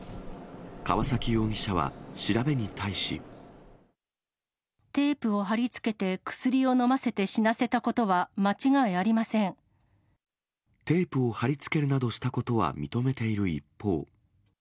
川崎容疑者は調べに対し。テープを貼り付けて薬を飲ませて死なせたことは間違いありまテープを貼り付けるなどしたことは認めている一方。